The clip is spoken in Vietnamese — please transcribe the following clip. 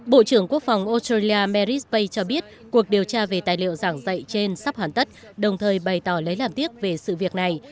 bộ trưởng quốc phòng australia mary spay cho biết cuộc điều tra về tài liệu giảng dạy trên sắp hoàn tất đồng thời bày tỏ lấy làm tiếc về sự việc này